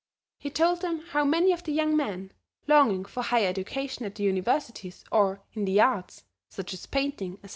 He told them how many of the young men, longing for higher education at the universities or in the arts, such as painting, etc.